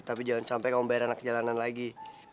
tapi jangan sampai kamu bayar anak kejalanan lagi